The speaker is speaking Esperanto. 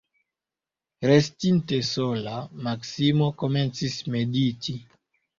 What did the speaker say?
Restinte sola, Maksimo komencis mediti.